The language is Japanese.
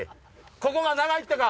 ここが長いってか？